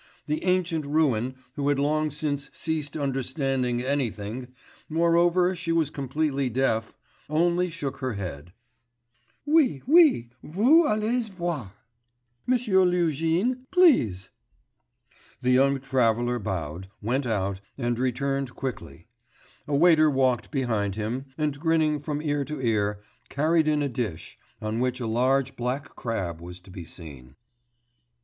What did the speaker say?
The ancient ruin, who had long since ceased understanding anything moreover she was completely deaf only shook her head. 'Oui, oui, vous allez voir. M'sieu Luzhin, please....' The young traveller bowed, went out, and returned quickly. A waiter walked behind him, and grinning from ear to ear, carried in a dish, on which a large black crab was to be seen.